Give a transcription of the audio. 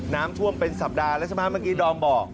น้ำท่วมเป็นสัปดาห์แล้วใช่ไหมเมื่อกี้ดอมบอก